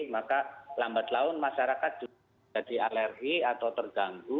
maka lambat laun masyarakat juga jadi alergi atau terganggu